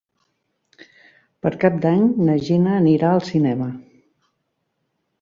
Per Cap d'Any na Gina anirà al cinema.